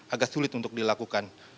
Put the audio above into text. agak sulit untuk dilakukan